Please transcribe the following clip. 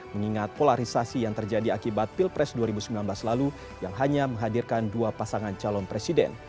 mengingat polarisasi yang terjadi akibat pilpres dua ribu sembilan belas lalu yang hanya menghadirkan dua pasangan calon presiden